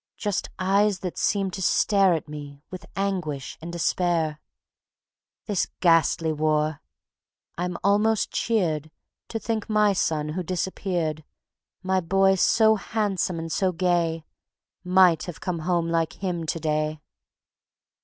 Just eyes that seemed to stare At me with anguish and despair. This ghastly war! I'm almost cheered To think my son who disappeared, My boy so handsome and so gay, Might have come home like him to day."